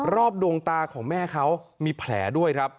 ดวงตาของแม่เขามีแผลด้วยครับ